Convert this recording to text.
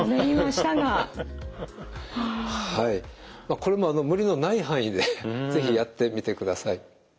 これも無理のない範囲で是非やってみてください。